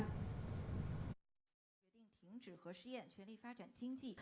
phát biểu về báo giới